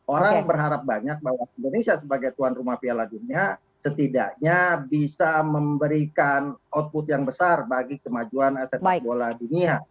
orang berharap banyak bahwa indonesia sebagai tuan rumah piala dunia setidaknya bisa memberikan output yang besar bagi kemajuan sepak bola dunia